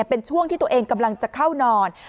เป็นช่วงที่ตัวเองกำลังจะเข้านอน